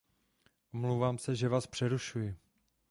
Omlouvám se, že vás přerušuji.